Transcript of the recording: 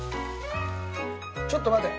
ちょっと待て。